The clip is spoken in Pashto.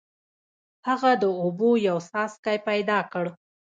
هغه د اوبو یو څاڅکی پیدا کړ.